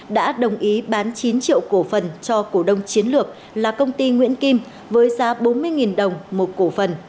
đã đồng ý bán chín triệu cổ phần cho cổ đông chiến lược là công ty nguyễn kim với giá bốn mươi đồng một cổ phần